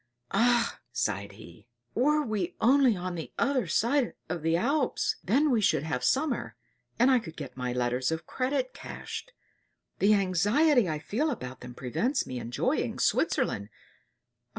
"Augh!" sighed he, "were we only on the other side the Alps, then we should have summer, and I could get my letters of credit cashed. The anxiety I feel about them prevents me enjoying Switzerland.